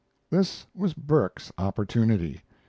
This was Burke's opportunity.